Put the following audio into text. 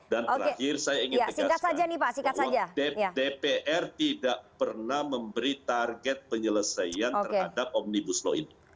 dan terakhir saya ingin mengatakan bahwa dpr tidak pernah memberi target penyelesaian terhadap omnibus law itu